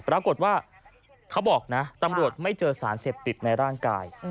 เขาบอกนะตำรวจไม่เจอสารเสพติดในร่างกาย